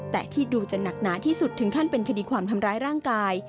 แต่ที่ดูจะหนักหนาที่สุดถึงขั้นเป็นคดีความทำร้ายร่างกาย